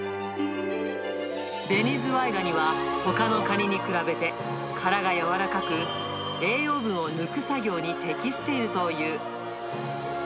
ベニズワイガニは、ほかのカニに比べて、殻が柔らかく、栄養分を抜く作業に適しているという。